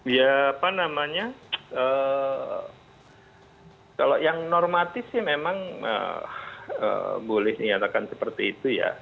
ya apa namanya kalau yang normatif sih memang boleh dinyatakan seperti itu ya